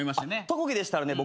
特技でしたらね